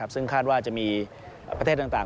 ซึ่งคาดว่าจะมีประเทศต่าง